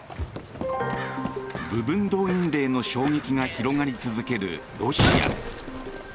部分動員令の衝撃が広がり続けるロシア。